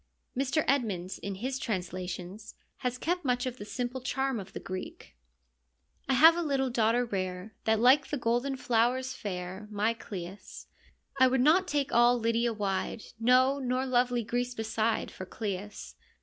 Mr. Edmonds, in his translations, has kept much of the simple charm of the Greek : I have a little daughter rare, That's like the golden flowers fair, My Cleis. I would not take all Lydia wide, No, nor lovely Greece beside, For Cleis.